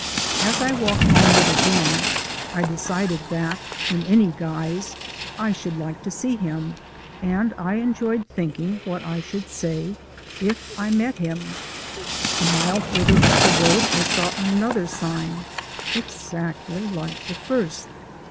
As I walked onward again, I decided that in any guise I should like to see him, and I enjoyed thinking what I should say if I met him. A mile farther up the road I saw another sign exactly like the first.